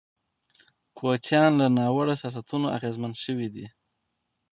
کوچیان له ناوړه سیاستونو اغېزمن شوي دي.